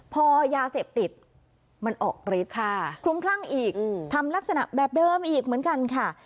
พอยาเสพติดมันออกฤทธิ์ค่ะคลุ้มคลั่งอีกทำลักษณะแบบเดิมอีกเหมือนกันค่ะ